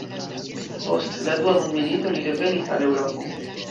Post la dua mondmilito li revenis al Eŭropo.